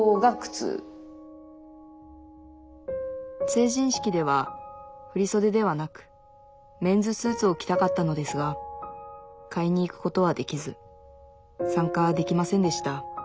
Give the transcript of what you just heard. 成人式では振り袖ではなくメンズスーツを着たかったのですが買いに行くことはできず参加できませんでした